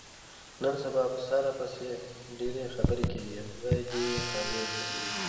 نن سبا په ساره پسې ډېرې خبرې کېږي. خدای یې دې پردې و کړي.